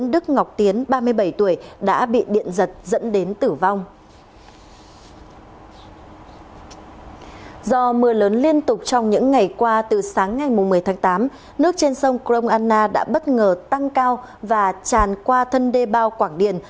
do mưa lớn liên tục trong những ngày qua từ sáng ngày một mươi tháng tám nước trên sông krong anna đã bất ngờ tăng cao và tràn qua thân đê bao quảng điền